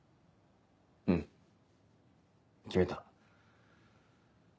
うん決めた。